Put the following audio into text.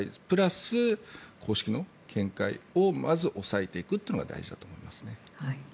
プラス公式の見解をまず押さえていくのが大事だと思います。